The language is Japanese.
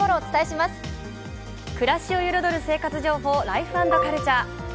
暮らしを彩る生活情報、「ライフ＆カルチャー」。